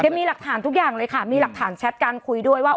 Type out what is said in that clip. มีหลักฐานทุกอย่างเลยค่ะมีหลักฐานแชทการคุยด้วยว่า